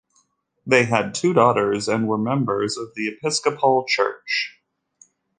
They had two daughters and were members of the Episcopal Church.